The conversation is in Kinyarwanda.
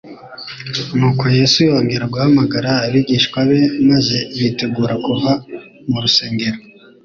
Nuko Yesu yongera guhamagara abigishwa be maze bitegura kuva mu rusengero,